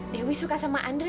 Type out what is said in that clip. dewi suka sama andre